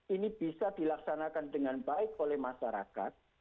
ini bisa dilaksanakan dengan baik oleh masyarakat